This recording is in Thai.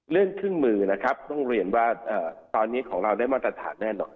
เรื่องเครื่องมือนะครับต้องเรียนว่าตอนนี้ของเราได้มาตรฐานแน่นอน